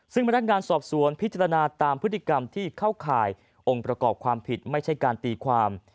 ซึ่งพนักงานสอบสวนพิจารณาตามพฤติกรรมที่เข้าข่ายองค์ประกอบความผิดไม่ใช่การตีความ